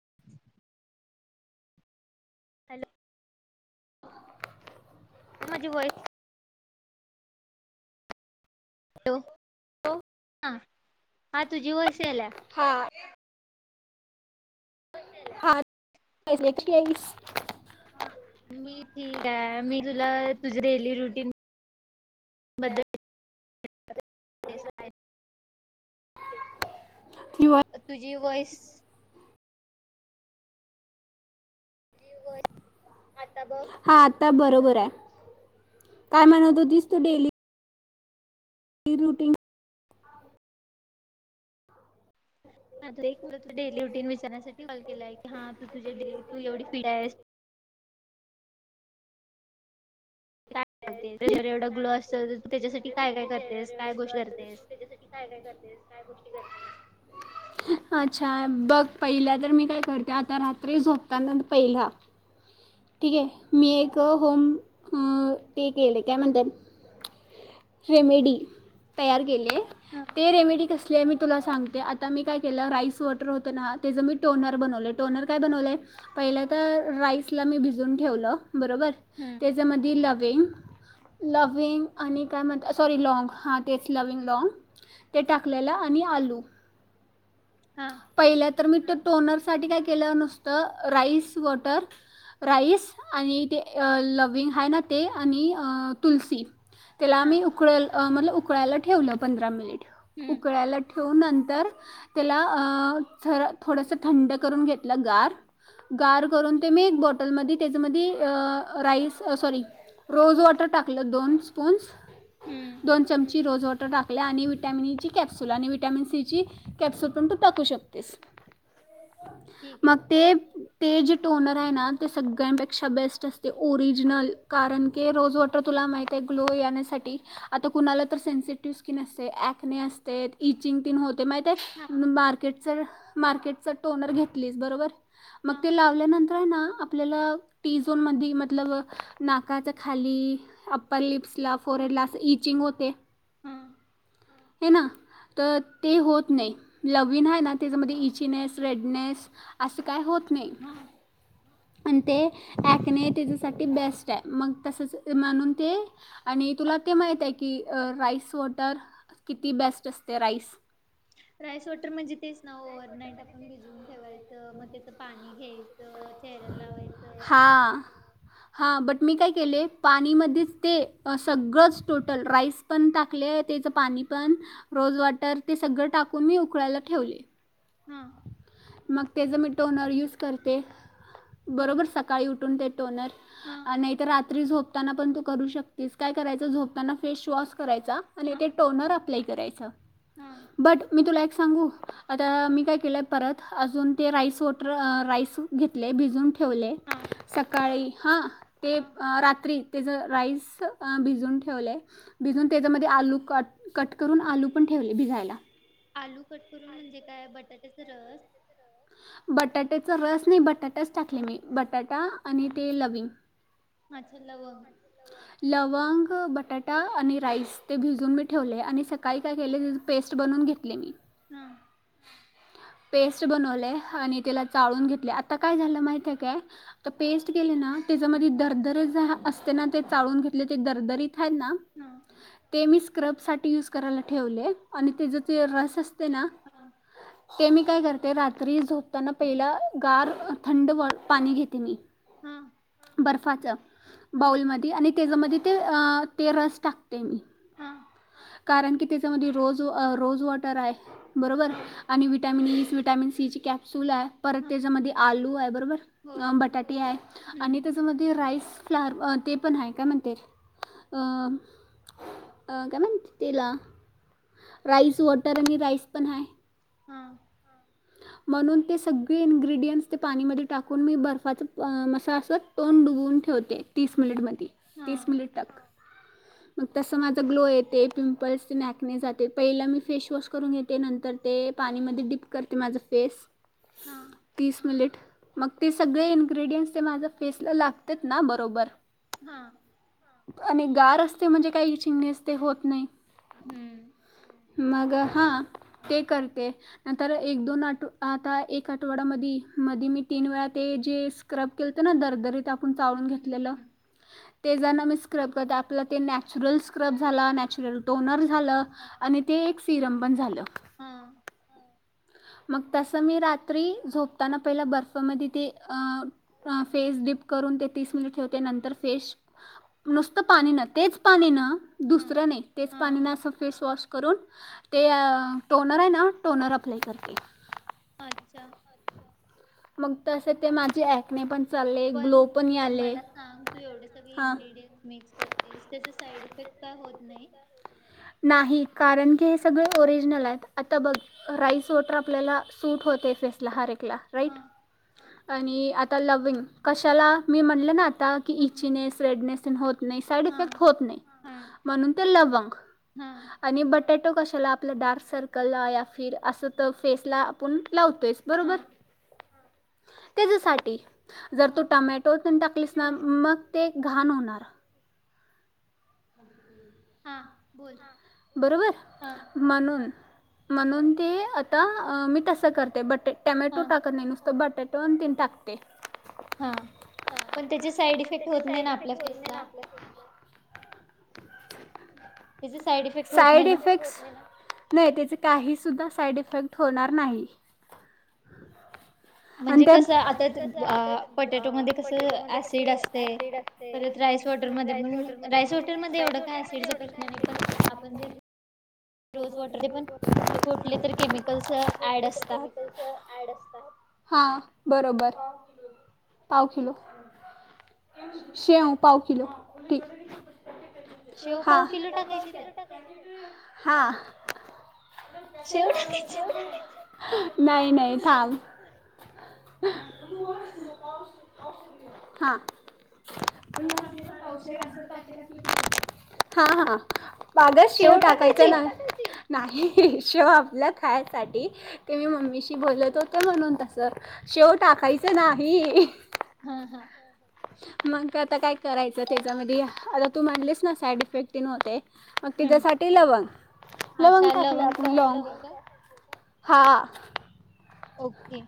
[inaudible] Hello! ते माझी [unintelligible] hello! हा हा तुझी व्हाइस यायल्या. हा. हा हास एकशे वीस. ह मी ठीक आहे मी तुला तुझं डेली रुटीन. बदल. ते. [inaudible] कोण. तुझी व्हाईस. हा आता बरोबर आहे, काय म्हणत होतीस तू डेली. Daily routine. हा तू एक त डेली रुटन विचारण्यासाठी कॉल केलाय की हा तू तुझे डे तू एवढी फिड आहेस. काय अग त्याच्यावर एवढं ग्लो असत त्यांच्यासाठी काय काय करते. त्यांच्यासाठी काय काय करते काय गोष्टी करते. [inaudible] हा अच्छा बघ पहिल्या तर मी काय करते आता रात्री झोपताना पहिला. ठीक आहे, मी एक होम पे केले काय म्हणत्यात. रेमेडी तयार केले हा ते रेमेडी कस. ते मी तुला सांगते आता मी काय केलं राईस वॉटर होतं ना त्याचं मी टोनर बनवलं आहे टोनर काय बनवलं आहे. पहिलं तर राईस ला मी भिजून ठेवलं बरोबर. हम्म. त्याच्यामध्येध लवेंग. लिव्हिंग आणि काय म्हणतात सॉरी लाॅग तेच लिव्हिंग लाँग. ते टाकलेला आणि आलू. हा. पहिल्या तर मी ते टोनर साठी काय केलं नसतं राईस वॉटर. राईस आणि ते लव्हीग हाय ना ते आणि तुलसी. त्याला हा मी उक म्ह उकळायला ठेवलं पंधरा मिनिट हम्म उकळायला. ठेवून नंतर त्याला अ, थोडस थंड करून घेतलं गार. गार करून ते मी एक बॉटलमध्ये त्याच्यामध्ये राईस, सॉरी. रोज वॉटर टाकलं दोन स्पून्स. हम्म. दोन चमची रोज वॉटर टाकले आणि विटॅमिन ईची कॅप्स्युल आणि विटॅमिन सी ची- कॅप्सल पण तू टाकू शकतेस ठीक आहे मग ते- ते जे टोनर आहे ना ते सगळ्यांपेक्षा बेस्ट असते ओरिजिनल कारण के रोज वॉट- टर तुला माहितेय ग्लो येण्यासाठी. आता कुणाला तर सेन्सिटिव्ह स्किन असते ॲक्ने असते इचिंग तीन होते माहिते- हा मार्केटचा-मार्केटचा टोनर घेतली बरोबर, मग हा ते लाव आपल्यानंतर ना आपल्याला टी झोन मधी मतलब, नाकाचा खाली. अप्पर लिप्स ला, फोर हा हेड ला असं इचिंग होते, हा हे‌ ना. तर ते होत नाही. लवीन आहे ना त्याच्यामध्ये इचीनेस, रेडनेस असं काय होत नाही. हा. आणि ते ॲक्ने त्याच्यासाठी बेस्ट आहे मग तसंच म्हणून ते- आणि तुला ते माहित आहे की अ राईस वॉटर किती बेस्ट असते राईस. राईस वॉटर म्हणजे तेच ना ओव्हरनाईट आपण भिजवून ठेवायचं मग त्याचं पाणी घ्याय- च चेहऱ्या लावायचं. हा बट मी काय केले, पाणीमध्येच ते सगळंच टोटल राईस पण ता [unintelligible] त्याचं पाणी पण रोज वॉटर ते सगळं टाकून मी उकळायला ठेवले. हा. मग त्याचा मी टोनर यूज करते, हा बरोबर सकाळी उठून ते- टोनर, हा नाहीतर रात्री झोपताना पण तू करू शकतेस. काय करायच फेस वॉश वॉश करायचा आणि हा ते एक टोनर अप्लाय करायचं, हा बट मी तुला एक- सांगू, आता मी काय? केलय परत अजून ते राईस वॉटर अ राईस घेतलंय. भिजवून ठेवले हा सकाळी हां ते, हा अ रात्री त्याचं राईस भिजवून ठेवलंय! भिजून त्याच्यामध्ये आलू कट-कट करून आलू पण ठेवले भिजायला. आलू कट करून म्हणजे काय? बटाट्याच रस बटाट्याचा रस नाही बटाटाच टाकले मी, बटाटा आणि ते लवींग अच्छा लवंग. लवंग, बटाटा आणि राईस ते भिजवून मी ठेवले! आणि सक काळी काय केले, [unintelligible] पेस्ट बनवून घेतले मी. हा. पेस्ट बनवले आणि त्याला चाळून घेतले. आता काय झालं! माहिती आहे काय? तर पेस्ट केले ना! हम्म त्याच्यामध्ये दरदरे ज असते ना ते चाळून घेतले. ते दरदरीत आहेत ना! हम्म. ते मी स्क्रब साठी युज करायला ठेवले आणि हा त्याचा ते रस असते ना हा ते मी काय करते, रात्री झोपताना पहिला गार थंड पाणी घेते मी. हम. बर्फाचं बाऊलमध्ये आणि त्याच्यामध्ये ते ते रस टाकते मी हा. कारण की त्याच्यामध्ये रोज-रोज वॉटर आहे. बरोबर हा आणि विट विटामिनीस विटामिन सी ची कॅप्सूल आय परत हा त्याच्यामध्ये आलू आय बरोबर. हो अ बटाटे आय आणि हम्म क स म ते राईस क्लार ते पण हाय काय म्हणते अ काय म्हणते तेला? राइस वॉटर आणि राइस पण हाय. हा. म्हणून ते सगळे इन्ग्रेडियंट्स ते पाणीमध्ये टाकून मी बर्फाचं प मसा असं तोंन डुबवून ठेवते. तीस मिनिलिट मध्ये हा तीस मिनिलीट टाक [inaudible] मग तस माझा ग्लो येते पिंपल्स नॅकणे जाते. पहिला मी फेसवॉश करून घेते. नंतर ते पाणीमध्ये डीप करते माझं फेस. हा. तीस मिनिलेट मग ते सगळे इन्ग्रेडियंट्स ते माझ्या फेसला लागत ना बरोबर. हा. आणि गार असते म्हणजे काय इंचिंगणेस ते होत नाय. हम्म मग हा ते करते नंतर एक दोन आ आता एक आठवडा मधी मध्ये मी तीन वेळा ते जे स्क्रब केलत ना दरदरीत ते आपूण चाळून हम्म घेतलेल. हम्म ते जना मी स्क्रब करते आपला ते नॅचरल स्क्रब झाला. नॅचरल टोनर झालं आणि ते एक सिरम पण झालं. हा. मग तसं मी रात्री झोपताना पहिलं बर्फमध्ये ते अं फेस डीप करून ते तीस मिनिट ठेवते. नंतर फेश नुसतं पाणीन तेच पाणीन हा दुसरं नाय तेच हा पाणीन हा असं फेसवॉश करून ते टोनर आय ना टोनर अप्लाय करते. अच्छा. मग तसे ते माझी ऑ कने पण चालले. पण ग्लो आले मला सांग तू एवढे सगळे हां इन्ग्रेडियन्स मिक्स करतीस त्याचा साईड इफेक्ट का होत नाय? नाही कारण की हे सगळे ओरिजनल हायत. आता बघ राईस वॉटर आपल्याला सूट होते फेसला हर एकला. राईट हां आणि आता लिव्हिंग कशाला मी म्हणलं ना आता की हां इचीनेस स्प्रेडनेसन होत नाय साईड इफेक्ट हां होत नाय म्हणून ते लवंग. हा. आणि बटॅटो कशाला आपलं डार्क सर्कलला या फिर असं तर फेसला आपण लावतोयच. बरोबर? हां त्याज्यासाठी जर तू हां टमॅटो तेन टाकलीस मग ते घाण ठीक होणार. हा बोल. बरोबर हां म्हणून म्हणून ते आता मी तसं करते बटे टमॅटो हां टाकत नाय नुसतं बटाटो तीन टाकते. हां पण त्याचे साईड इफेक्ट होत नाय ना आपल्या फेसला? त्याचे साईड इफेक्ट होत नाही साईड ना? इफेक्ट्स नाय त्याच काही सुुद्धा साईड इफेक्ट होणार नाही. आणि म्हणजे ते कसं आता ते पटॅटो मध्ये कसं ऍसिड असतंय. परत राईस वॉटरमध्ये पण राईस वॉटेरमध्ये एवढं काय ऍसिडचा प्रश्न नाय. पण आपण जे रोज वॉटर ते पण, कुठले कुठले तर केमिकल्स ऍड असतात. हो, ॲड असतात, हो बरोबर. पाव किलो. शेव पाव किलो, ठीकाय, शेव हा. पाव किलो टाकायची त्यात. हां. शेव टाका नाही नाही थांब. हां. हा हा, वागंत शेव टाकायची. चला नाही, शेव आपल्या खायसाठी ते मी मम्मीशी बोलत होते म्हणून, तस शेव टाकायचं ना हि. हा. मग आता काय करायचं, त्याच्यामध्ये आता तू म्हणलीस ना, साईड इफेक्ट तेन होतय मग हम्म. तिच्यासाठी लवंग लवंग अच्छा टाकलं आपण लोंग, त्यासाठी आहे का? हा. ओके.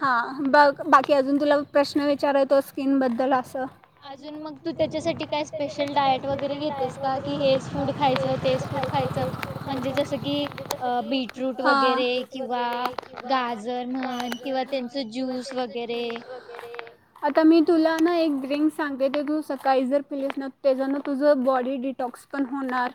हा बघ बाकी अजून तुला प्रश्न विचारायतो, स्कीन बद्दल असं अजून मग तू त्याच्यासाठी, काय स्पेशल डायट वगैरे घेतेस का. की हेच फूड खायचं तेच फूड खायचं, म्हणजे जसं की बीटरूट हां वगैरे. किंवा गाजर म्हण किंवा त्यांच ज्यूस वगैरे. ड्रिंक्स आता मी तुला ना एक ड्रिंक सांगते, ते तू सकाळी जर पिलीस ना, त्याच्यान तुझं बॉडी डिटॉक्स होणार.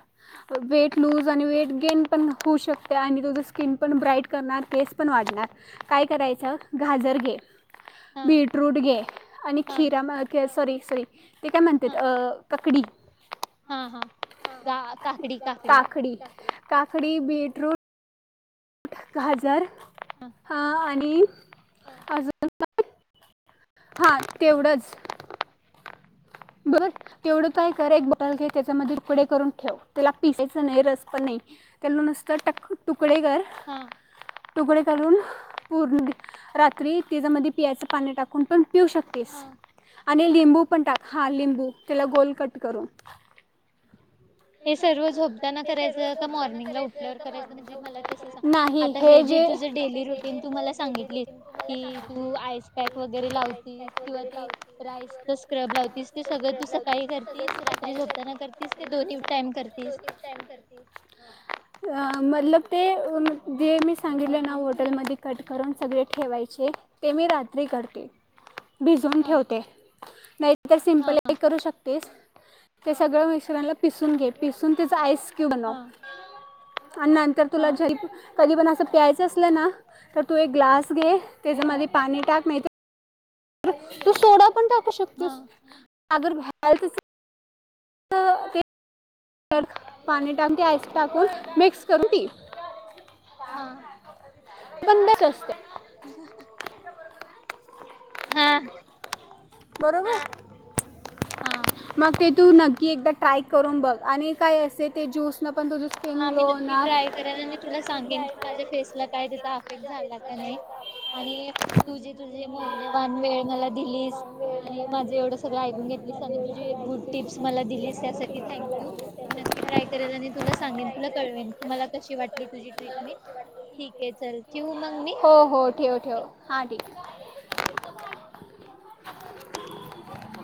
वेट लूज आणि वेट गेन पण होऊ शकते. आणि तुझं स्किन पण ब्राईट करणार केस पण वाढणार. काय करायचं गाजर घे, हा बीटरूट घे आणि हा खिरा सॉरी सॉरी ते काय हा म्हणतात, ककडी. हा हा, का, काकडी, काकडी. कडी. काकडी, बीटरूट गाजर हां आणि अजून काय. हा तेवढच, बर तेवढं काय कर. एक टल घे, त्याच्यामध्ये तुकडे करून ठेव. त्याला पिसायच नाही, रस पण नाही. त्याला नुस्ता टक तुकडे कर हां. तुकडे करून पूर्ण रात्री त्याच्यामध्ये पियाचं पाणी टाकून पण पिऊ शकते. हां. आणि लिंबू पण टाक. हा लिंबू त्याला गोल कट करून. हे सर्व झोपताना करायचं का, मॉर्निंगला उठल्यावर करायचं, म्हणजे मला तसं सांग. आता हे जे तुझं, डेली रुटीन तु मला सांगितलीस. कि तू आईसपॅक वगैरे लावतीस, किंवा ते राइसचा स्क्रब लावतीस. ते सगळं तू सकाळी करतीस, रात्री झोपताना करतीस, कि दोन्ही टाईम करतीस. टाइम करते. अ, मतलब ते जे मी सांगितले ना वॉटरमध्ये कट करून सगळे ठेवायचे. ते, मी रात्री करते. भिजवून हा ठेवते, नाही तर हा सिम्पलही करू शकतेस. ते सगळं मिक्सरला पिसून घे. पिसून त्याचं आईस हा हा नंतर हा तुला कधी पण असं प्यायचं असलं ना, तर तू एक ग्लास घे त्याच्यामध्ये पाणी टाक तर तू सोडा पण टाकू हा शकतेस. [unintelligible] पाणी टाक आईस टाकून मिक्स करू पी. हा बंदच असतं. ह हा बरोबर. हा मग ते तू नक्की एकदा ट्राय करून बघ. आणि काय असे ते ज्यूसनं पण तुझं हा मी नक्की ट्राय करेन आणि तुला सांगेन, की माझ्या फेसला काय त्याचा अफेक्ट झाला का नाही. आणि तुझे तुझे मौल्यवान वेळ मला दिलीस‌. आणि माझे एवढं सगळं ऐकून घेतलीस, आणि तुझी एक गुड टिप्स मला दिलीस त्यासाठी थँक यू. मी नक्की ट्राय करेल, आणि तुला सांगेन तुला कळवेन तु मला कशी वाटली तुझी ट्रीटमेंट ठीक आहे. चल ठेवू मग मी. हो हो. ठेव ठेव. हा ठीक. [inaudible]